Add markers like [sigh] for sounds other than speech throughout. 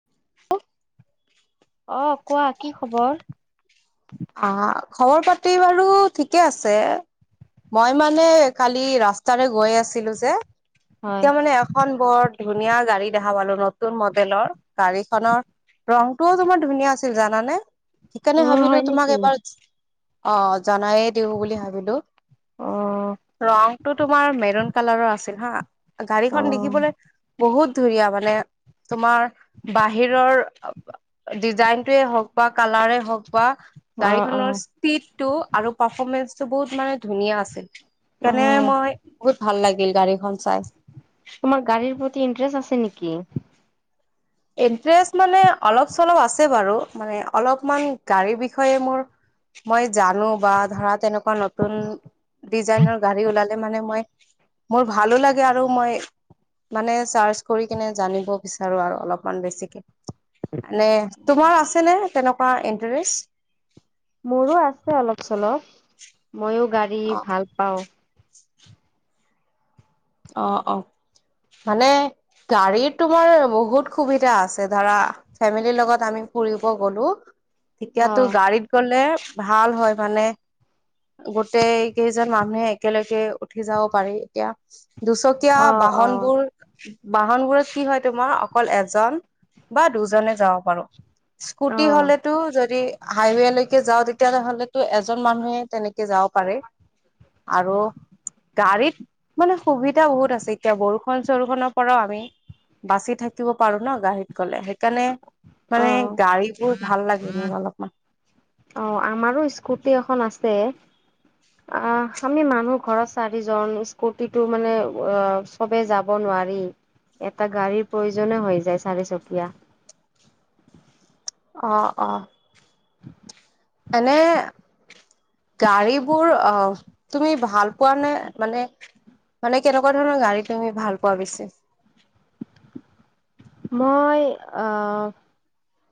[unintelligible] অ', কোৱা কি খবৰ? অ', খবৰ পাতি বাৰু ঠিকে আছে। মই মানে কালি ৰাস্তাৰে গৈ আছিলো যে হয়। এতিয়া মানে খন বৰ ধুনীয়া গাড়ী দেখা পালো নতুন মডেলৰ, গাড়ীখনৰ ৰংটোও তোমাৰ ধুনীয়া আছিল জানানে? সেইকাৰণে অ', ভাবিলো হয় তোমাক নেকি? এবাৰ যি অ জনায়ে দিওঁ বুলি ভাবিলো। অ' ৰংটো তোমাৰ মেৰুন কালাৰৰ আছিল হা। গাড়ীখন অ', দেখিবলৈ বহুত ধুনীয়া মানে তোমাৰ বাহিৰৰ ডিজাইনটোৱে হওক বা কালাৰে হওক বা অ', গাড়ীখনৰ অ', চি স্পিডটো আৰু পাৰ্ফমেঞ্চটো বহুত মানে ধুনীয়া আছিল। [unintelligible] অ', মই বহুত ভাল লাগিল গাড়ীখন চাই। তোমাক গাড়ীৰ প্ৰতি ইন্টাৰেষ্ট আছে নিকি? ইনট্ৰেষ্ট মানে অলপ চলপ আছে বাৰু মানে অলপমান গাড়ীৰ বিষয়ে মোৰ মই জানো বা ধৰা তেনেকুৱা নতুন ডিজাইনৰ গাড়ী ওলালে মানে মই মোৰ ভালো লাগে আৰু মই মানে চাৰ্চ কৰি কিনে জানিব বিচাৰো আৰু অলপ মান বেছিকে মানে তোমাৰ আছে নে তেনেকুৱা ইণ্টাৰেষ্ট? মোৰো আছে অলপ - চলপ, মইয়ো অ গাড়ী ভাল পাওঁ। অ অ মানে গাড়ীৰ তোমাৰ বহুত সুবিধা আছে ধৰা ফেমিলিৰ লগত আমি ফুৰিব গ'লো। তেতিয়াতো অ'। গাড়ীত গ'লে ভাল হয় মানে গোটেই কেইজন মানুহে একেলগে উঠি যাব পাৰি। এতিয়া দুচকীয়া অ', অ'। বাহনবোৰ বাহনবোৰত কি হয় তোমাৰ অকল এজন বা দুজনে যাব পাৰো। স্কুটি অ', হ'লেতো যদি হাইৱেলৈকে যাওঁ তেতিয়া হ'লেতো এজন মানুহে তেনেকে যাব পাৰে। আৰু গাড়ীত মানে সুবিধা বহুত আছে এতিয়া বৰষুন চৰষুণৰ পৰাও আমি বাচি থাকিব পাৰো ন গাড়ীত গ'লে। সেইকাৰণে মানে অ', গাড়ীবোৰ ভাল লাগে মোৰ অলপমান। অ', আমাৰো স্কুটি এখন আছে। অ', আমি মানুহ ঘৰত চাৰিজন স্কুটিটো মানে অ' চবেই যাব নোৱাৰি এটা গাড়ীৰ প্ৰয়োজনে হৈ যায় চাৰিচকীয়া। অ', অ'। এনে গাড়ীবোৰ অ' তুমি ভাল পোৱানে মানে মানে কেনেকুৱা ধৰণৰ গাড়ী তুমি ভাল পোৱা বেছি? মই অ'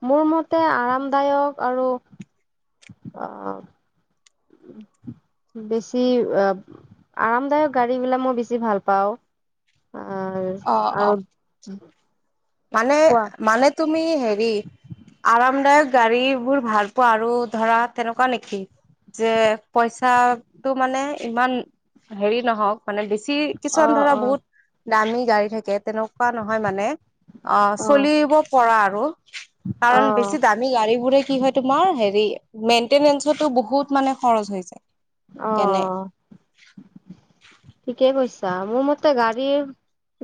মোৰ মতে আৰামদায়ক আৰু আহ [inaudible] বেছি অ' আৰামদায়ক গাড়ীবিলাক মই বেছি ভাল পাওঁ। অ' অ', আৰু অ'। মানে কোৱা মানে তুমি হেৰি আৰামদায়ক গাড়ীবোৰ ভাল পোৱা আৰু ধৰা তেনেকুৱা নেকি? যে পইচাটো মানে ইমান হেৰি নহওঁক! মানে বেছি কিছুমান অ' ধৰা অ' বহুত দামী গাড়ী থাকে তেনেকুৱা নহয় মানে। অ', চলিব পৰা আৰু কাৰণ অ' বেছি দা মি গাড়ীবোৰে কি হয় তোমাৰ হেৰি মেইনটেনেঞ্চতো বহুত মানে খৰচ হৈ যায়। অ', অ'। [inaudible] ঠিকে কৈছা, মোৰ মতে গাড়ীৰ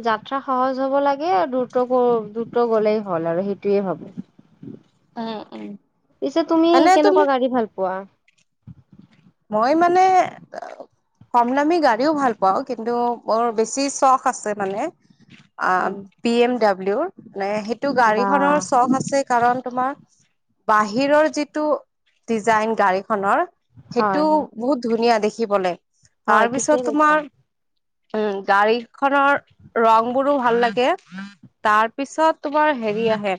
যাত্ৰা সহজ হ'ব লাগে দ্ৰুত গ দ্ৰুত গ'লেই হ'ল আৰু সেইটোয়ে ভাৱো। উম, উম। পিছে তুমি এনে তুমি কেনেকুৱা গাড়ী ভাল পোৱা? মই মানে কম দামি গাড়ীও ভাল পাওঁ কিন্তু বৰ বেছি চখ আছে মানে। অ', উম, বি এম ডাব্লিউৰ এ সেইটো বা গাড়ীখনৰ চখ আছে কাৰণ তোমাৰ বাহিৰৰ যিটো ডিজাইন গাড়ীখনৰ। হয় সেইটো হয় বহুত ধুনীয়া দেখিবলৈ। হয় তাৰ ঠিকেই পিছত কৈছা তোমাৰ উম, গাড়ীখনৰ ৰঙবোৰো ভাল লাগে। তাৰ পিছত তোমাৰ হেৰি আহে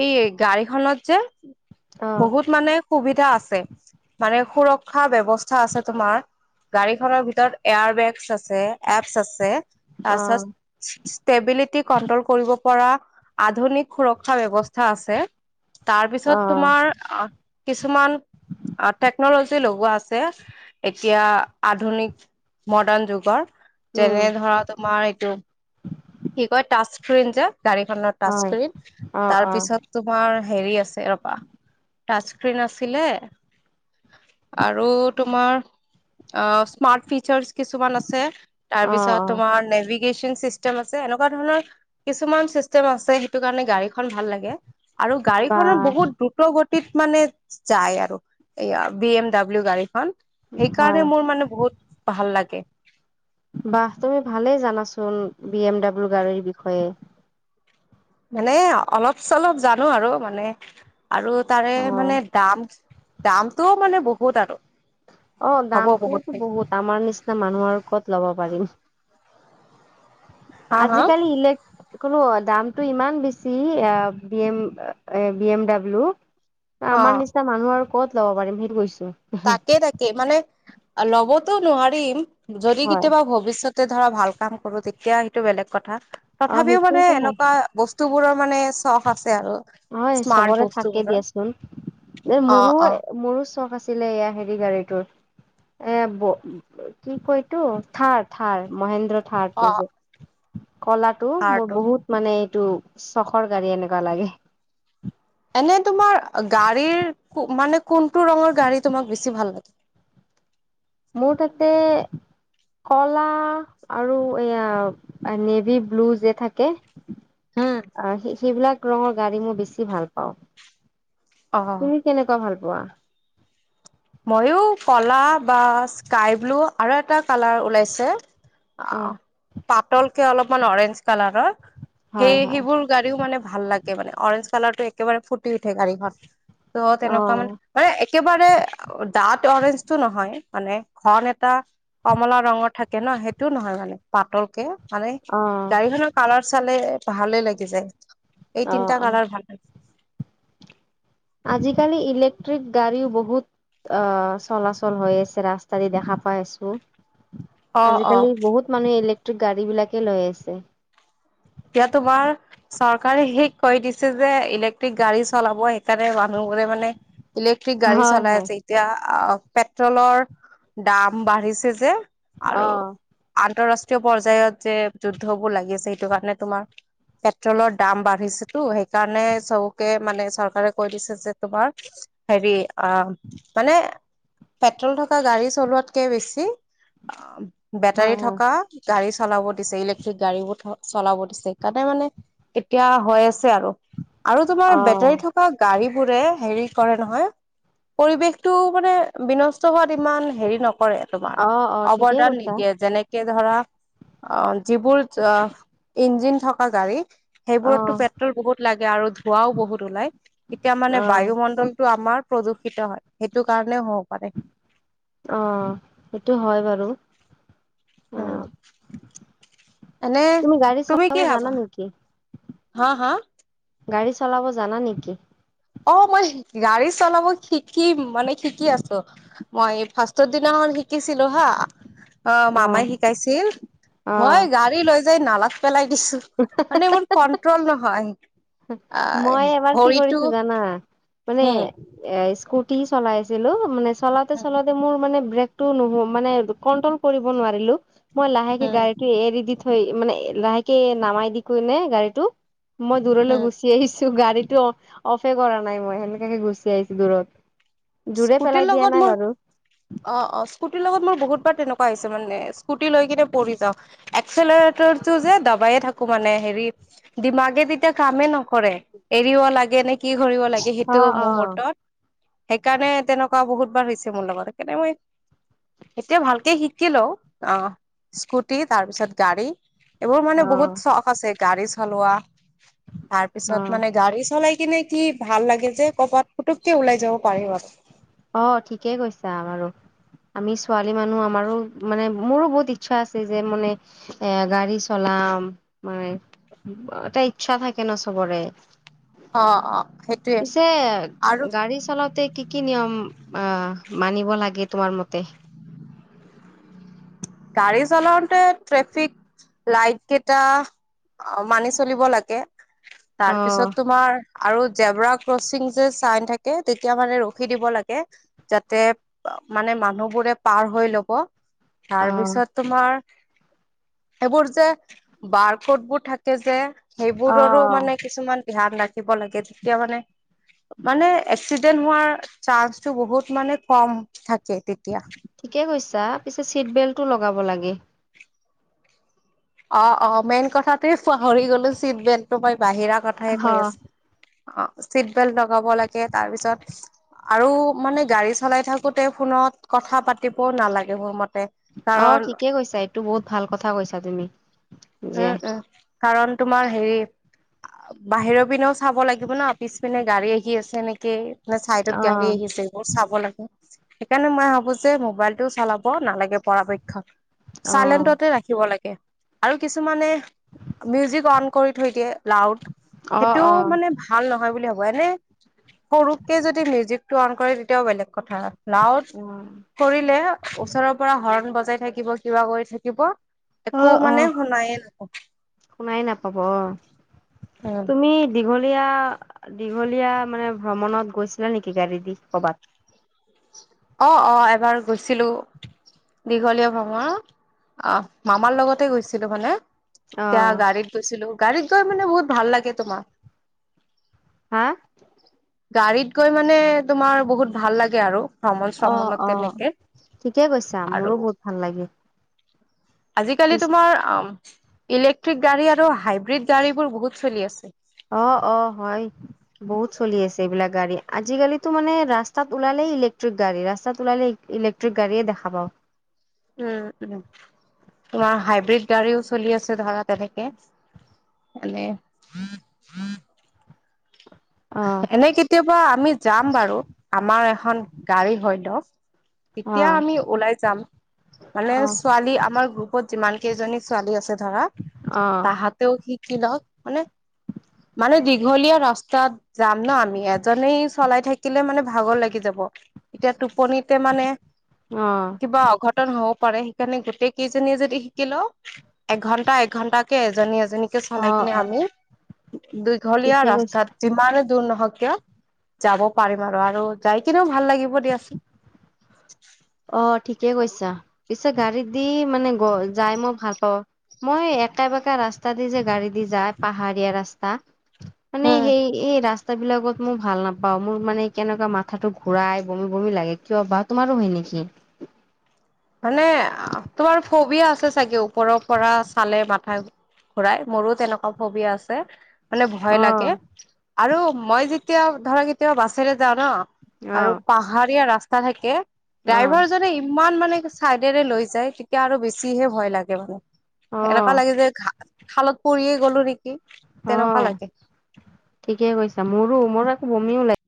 এই গাড়ীখনত যে অ' বহুত মানে সুবিধা আছে মানে সুৰক্ষা ব্যৱস্থা আছে তোমাৰ। গাড়ীখনৰ ভিতৰত এয়াৰ বেগছ আছে এপছ আছে। তাৰপিছত অ' ষ্টেবিলিটি কন্ট্ৰল কৰিব পৰা আধুনিক সুৰক্ষা ব্যৱস্থা আছে। তাৰপিছত অ' তোমাৰ কিছুমান, টেকন'লজি লগোৱা আছে। এতিয়া আধুনিক মডাৰ্ণ যুগৰ। উম যেনে ধৰা তোমাৰ, এইটো কি কয় টাচস্ক্ৰীন যে গাড়ীখনত। হয় ট্ৰাষ্টস্ক্ৰীন অ' অ' তাৰপিছত। তোমাৰ হেৰি আছে ৰবা। ট্ৰাচস্ক্ৰীন আছিলে, আৰু তোমাৰ অ, স্মাৰ্ট ফিচাৰছ। কিছুমান আছে। অ' তাৰপিছত অ' তোমাৰ নেভিক নেভিগেচন চিষ্টেম আছে। এনেকুৱা ধৰণৰ কিছুমান চিষ্টেম আছে। সেইটো কাৰণে গাড়ীখন ভাল লাগে। আৰু বা গাড়ীখনৰ বহুত দ্ৰুত গতিত মানে যায় আৰু। এয়া, বি এম ডাব্লিউ গাড়ীখন, হয় সেইকাৰণে মোৰ মানে বহুত ভাল লাগে। বাহ! তুমি ভালেই জানাচোন। বি এম ডাব্লিউ গাড়ীৰ বিষয়ে। মানে অলপ- চলপ জানো আৰু মানে, আৰু তাৰে অ মানে দাম, দামটোও মানে বহুত আৰু। অ, দামটো বহুত। আমাৰ নিচিনা মানুহৰ কত ল'ব পাৰিম। হা হা আজিকালি ইলেক, লো, দামটো ইমান বেছি B M- B M W. [inaudible] আমাৰ নিচিনা মানুহ আৰু ক'ত ল'ব পাৰিম সেইটো কৈছো। তাকে- তাকে মানে ল'বতো নোৱাৰিম যদি হয় কেতিয়াবা ভৱিষ্যত। ধৰা ভাল কৰো। তেতিয়া সেইটো বেলেগ কথা অ তথাপিও মানে সেইটোতো হয় এনেকুৱা বস্তু বস্তুবোৰৰ মানে চখ আছে আৰু। হয়, স্মাৰ্ট চবৰে থাকে বস্তুবোৰৰ দিয়াচোন। অ অ মোৰো- মোৰো চখ আছে। দিলে এয়া হেৰি গাড়ীটোৰ। এ কি কৈ এইটো থাৰ- থাৰ মহেন্দ্ৰ। থাৰটো অ' যে কলাটো মোৰ থাৰটো বহুত, মানে এইটো চখৰ গাড়ী এনেকুৱা লাগে। এনে তোমাৰ, গাড়ীৰ মানে কোনটো ৰঙৰ গাড়ী তোমাক বেছি ভাল লাগে? মোৰ তাতে, কলা আৰু এয়া নেভি ব্লু যে থাকে। হম আহ, সেইবিলাক ৰঙৰ গাড়ী মই বেছি ভাল পাওঁ। অ। তুমি কেনেকুৱা ভাল পোৱা? মইও কলা বা স্কাই ব্লু, আৰু এটা কালাৰ ওলাইছে। অ পাতলকে অলপমান অৰেঞ্জ কালাৰৰ সেই হয় হয় সেইবোৰ, গাড়ীও মানে ভাল লাগে। মানে অৰেঞ্জ কালাৰ টো একেবাৰে ফুটি উঠে গাড়ীখনত, অ তেনেকুৱা মানে। মানে একেবাৰে ডাত অৰেঞ্জটো নহয়, মানে ঘন এটা। কমলা ৰঙৰ থাকে ন। সেইটোও নহয় মানে পাতলকে। মানে অ গাড়ীখনৰ কালাৰ চালে ভালে লাগি যায়। এই অ তিনটা অ কালাৰ ভাল লাগে। আজিকালি ইলেক্ট্ৰিক গাড়ীও বহুত। অ, চলাচল হৈ আছে। ৰাস্তা দি দেখা পাই আছো। অ অ আজিকালি বহুত মানুহে ইলেক্ট্ৰিক গাড়ী বিলাকে লৈ আছে। এতিয়া তোমাৰ। চৰকাৰে সে কৈ দিছে যে ইলেক্ট্ৰিক গাড়ী চলাব সেইকাৰণে মানুহবোৰে মানে। ইলেক্ট্ৰিক গাড়ী হয় চলাই হয় আছে। এতিয়া পেট্ৰলৰ দাম বাঢ়িছে যে। আৰু অ আন্তৰাষ্ট্ৰীয় পৰ্যায়ত যে যুদ্ধবোৰ লাগি আছে সেইটো কাৰণে তোমাৰ পেট্ৰলৰ দাম বাঢ়িছেতো সেইকাৰণে চবকে মানে চৰকাৰে কৈ দিছে যে তোমাৰ হেৰি আ মানে পেট্ৰল থকা গাড়ী চলোৱাতকে বেছি আ হয় বেটাৰী হয় থকা গাড়ী চলাব দিছে ইলেক্ট্ৰিক গাড়ী বোৰ চলাব দিছে সেইকাৰণে মানে এতিয়া হৈ আছে আৰু আৰু তোমাৰ অ বেটাৰী থকা থকা গাড়ী বোৰে হেৰি কৰে নহয় পৰিৱেশটো মানে বিনষ্ট হোৱাত ইমান হেৰি নকৰে তোমাৰ অ অ ঠিকেই অৱদান কৈছা নিদিয়ে যেনেকে যে ধৰা অ যিবোৰ আ ইঞ্জিন থকা গাড়ী অ সেইবোৰতো পেট্ৰল বহুত লাগে আৰু ধোঁৱাও বহুত ওলাই তেতিয়া মানে অ বায়ুমণ্ডল টো আমাৰ প্ৰদূষিত হয় সেইটো কাৰণে হব পাৰে। অ সেইটো হয় বাৰু অ উম এনে তুমি গাড়ী তুমি চলাব কি জানা ভাবা নেকি হা হা গাড়ী চলাব জানা নেকি অ মই গাড়ী চলাব শিকিম মানে শিকি আছো মই এই ফাৰ্ষ্টৰ দিনাখন শিকিছিলো হা অ মামাই শিকাইছিল অ মই গাড়ী লৈ যাই নালাত পেলাই দিছো মানে মোৰ কন্ট্ৰল নহয় আহ মই এবাৰ কি ভৰিটো কৰিছো জানা মানে হম এ স্কুটি চলাই আছিলো মানে চলাওঁতে চলাওঁতে মোৰ মানে ব্ৰেক টো নো মানে কট্টল কৰিব নোৱাৰিলো মই লাহেকে উম গাড়ীতো এৰি দিলো সেই মানে লাহেকে নামাই দি কেনে গাড়ীটো মই দূৰলৈ উম গৈছো গুচি আহিছো গাড়ীটো অফে কৰা নাই মই সেনেকাকে গুচি আহিছো দূৰত জোৰে স্কুটিৰ পেলাই দিয়া লগত নাই মোৰ বাৰু অ অ স্কুটিৰ লগত মোৰ বহুতবাৰ তেনেকুৱা হৈছে মানে স্কুটি লৈ কিনে পৰি যাওঁ এক্সেলৰেটৰটো যে দাবায়ে থাকো মানে হেৰি দিমাগে তেতিয়া কামেই নকৰে এৰিব লাগে নে কি কৰিব লাগে অ', সেইটো অ', মুহুৰ্তত সেইকাৰণে তেনেকুৱা বহুত বাৰ হৈছে মোৰ লগত সেইকাৰণে মই এতিয়া ভালকে শিকি লও অ স্কুটি তাৰ পিছত গাড়ী এইবোৰ মানে অ', বহুত চখ আছে গাড়ী চলোৱা তাৰ পিছত অ', মানে গাড়ী চলাই কিনে কি ভাল লাগে যে কৰবাত পুতুককে ওলাই যাব পাৰি মানে অ ঠিকেই কৈছা বাৰু আমি ছোৱালী মানুহ আমাৰো মানে মোৰো বহুত ইচ্ছা আছে যে মানে এ গাড়ী চলাম মই এটা ইচ্ছা থাকে ন চবৰে অ অ সেইটোয়ে পিছে আৰু গাড়ী চলাওঁতে কি কি নিয়ম আ মানিব লাগে তোমাৰ মতে গাড়ী চলাওতে ট্ৰেফিক লাইট কেইটা অ মানি চলিব লাগে অ', তাৰপিছত তোমাৰ আৰু জেব্ৰা ক্ৰচিং যে চাইন থাকে তেতিয়া মানে ৰখি দিব লাগে যাতে মানে মানুহবোৰে পাৰ হৈ লব তাৰ অ', পিছত তোমাৰ এইবোৰ যে বাৰ কট বোৰ থাকে যে সেইবোৰৰো অ', মানে কিছুমান ধ্যান ৰাখিব লাগে তেতিয়া মানে মানে এক্সিডেন্ট হোৱাৰ চান্সতটো বহুত মানে কম থাকে তেতিয়া ঠিকে কৈছা, পিছে চিট বেল্টটো লগাব লাগে। অ', অ', মেইন কথাটো পাহৰি গলো, চিট বেল্টটো মই বাহিৰা কথাই কৈ অ', আছো। অ, চিট বেল্ট লগাব লাগে। তাৰ পিছত আৰু মানে গাড়ী চলাই থাকোতে, ফোনত কথা পাতিবও নালাগে মোৰ মতে। অ, কাৰণ ঠিকে কৈছা, এইটো বহুত ভাল কথা কৈছা তুমি। যে উম, উম, কাৰণ তোমাৰ হেৰি বাহিৰৰ পিনেও চাব লাগিব ন, পিছ পিনে গাড়ী আহি আছে নেকি। নে, চাইডত গাড়ী অ', আহিছে, এইবোৰ চাব লাগে। সেইকাৰণে মই ভাবো যে মোবাইলটো চলাব নালাগে পৰাপক্ষত, অ', চাইলেন্টতে ৰাখিব লাগে। আৰু কিছুমানে মিউজিক অন কৰি থৈ দিয়ে লাউড, অ', সেইটোও অ', মানে ভাল নহয় বুলি ভাবো, এনে সৰুকে যদি মিউজিক টো অন কৰে তেতিয়াও বেলেগ কথা। লাউড অ'। কৰিলে, ওচৰৰ পৰা হৰ্ণ বজাই থাকিব, কিবা কৰি থাকিব। একো অ', মানে অ', শুনায়ে নাপাওঁ শুনাই নাপাব অ, উম তুমি দীঘলীয়া দীঘলীয়া মানে ভ্ৰমণত গৈছিলা নেকি গাড়ী দিশ ক'ৰবাত অ অ এবাৰ গৈছিলোঁ। দীঘলীয়া ভ্ৰমণ মামাৰ লগতে গৈছিলোঁ মানে এতিয়া অ', গাড়ীত গৈছিলো গাড়ীত গৈ মানে বহুত ভাল লাগে তোমাৰ। হা? গাড়ীত গৈ মানে তোমাৰ বহুত ভাল লাগে আৰু। ভ্ৰমণ, অ', সমনত অ'। তেনেকে ঠিকে কৈছা মোৰো আৰু বহুত ভাল লাগে আজিকালি তোমাৰ ইলেক্ট্ৰিক গাড়ী আৰু হাইব্ৰীড গাড়ীবোৰ বহুত চলি আছে। অ', অ', হয়। বহুত চলি আছে, এইবিলাক গাড়ী, আজি কালিতো মানে ৰাস্তাত ওলালে ইলেক্টিক গাড়ী ৰাস্তাত ওলালে। ইলেক্ট্ৰিক গাড়ীয়ে দেখা পাও। উ, উ, তোমাৰ হাইব্ৰীড গাড়ীও চলি আছে, ধৰা তেনেকে। এনে। অ'। এনে কেতিয়াবা আমি যাম বাৰু আমাৰ এখন গাড়ী হয় ল'ক। তেতিয়া অ', আমি ওলাই যাম। মানে অ', ছোৱালী আমাৰ গ্ৰুপত যিমান কেইজনী ছোৱালী আছে ধৰা অ', তাহাঁত তেওঁ শিকি ল'ক, মানে, মানে দীঘলীয়া ৰাস্তাত যাম ন, আমি এজনেই চলাই থাকিলে মানে ভাগৰ লাগি যাব। এতিয়া টোপনিতে মানে অ'। কিবা অঘটন হ'ব পাৰে, সেইকাৰণে গোটেই কেইজনীয়ে যদি শিকি লও। এঘণ্টা, এঘণ্টকে এজনী, এজনী চলাই অ', কিনে, অ', আমি দীঘলীয়া ঠিকে কৈছা। ৰাস্তাত যিমান দূৰ নহক কিয় যাব পাৰিম, আৰু আৰু যাই কিনেও ভাল লাগিব দিয়াচোন। অ, ঠিকে কৈছা, পিছে গাড়ীত দি মানে গ, যাই মই ভাল পাওঁ। মই একা, বেকা ৰাস্তা দি যে গাড়ী দি যায়, পাহাৰীয়া ৰাস্তা মানে উম সেই এই ৰাস্তা ৰাস্তাবিলাকত মই ভাল নাপাওঁ, মোৰ মানে কেনেকুৱা মাথাটো ঘূৰাই বমি, বমি লাগে, কিয় বা তোমাৰো হয় নেকি। উম। হয়নে, আ, তোমাৰ ফবিয়া আছে চাগে, ওপৰৰ পৰা চালে মাথা ঘূৰাই, মোৰো তেনেকুৱা ফবিয়া আছে। মানে ভয় অ লাগে, আৰু মই যেতিয়া ধৰক কেতিয়াবা বাছেৰে যাওঁ ন। অ আৰু পাহাৰীয়া ৰাস্তা থাকে, অ ড্ৰাইভাৰজনে ইমান মানে চাইডেৰে লৈ যায়, তেতিয়া আৰু বেছিহে ভয় লাগে মানে অ এনেকুৱা লাগে যে, ঘা খালত পৰিয়ে গ'লো নেকি? তেনেকুৱা অ', লাগে ঠিকে কৈছা, মোৰো মোৰ আকৌ বমিও ওলাই